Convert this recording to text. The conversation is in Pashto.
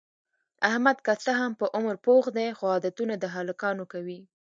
احمد که څه هم په عمر پوخ دی، خو عادتونه د هلکانو کوي.